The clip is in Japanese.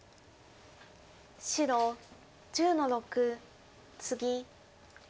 白１０の六ツギ。